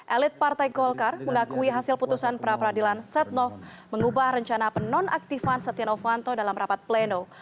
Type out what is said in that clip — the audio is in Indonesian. elit partai golkar mengakui hasil putusan perapradilan setnov mengubah rencana penonaktifan sotianov vanto dalam rapat pleno